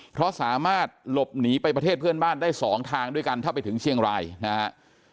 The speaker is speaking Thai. เพราะสามารถหลบหนีไปประเทศเพื่อนบ้านได้สองทางด้วยกันถ้าไปถึงเชียงรายนะฮะ